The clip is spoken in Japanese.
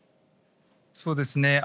そうですね。